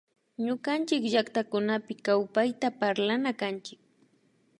Ñukanchick llactakunapi kawpayta parlana kanchik